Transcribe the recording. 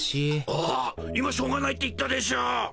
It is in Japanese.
あ今しょうがないって言ったでしょ。